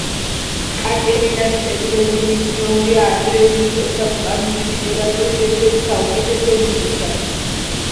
კატერინას წერილები მიჩნეულია ადრეული ტოსკანური ლიტერატურის ერთ-ერთ საუკეთესო ნიმუშად.